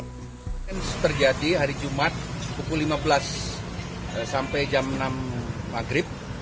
hujan terjadi hari jumat pukul lima belas sampai jam enam maghrib